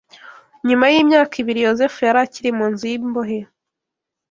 NYUMA y’imyaka ibiri Yozefu yari akiri mu nzu y’imbohe